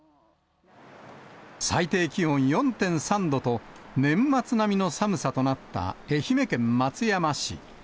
最低気温４．３度と、年末並みの寒さとなった愛媛県松山市。